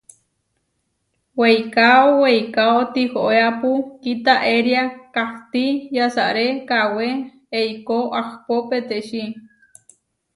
Weikáo weikáo tihoéapu kitaéria, kahtí yasaré kawé eikó ahpó peteči.